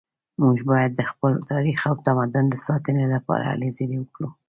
موږ باید د خپل تاریخ او تمدن د ساتنې لپاره هلې ځلې وکړو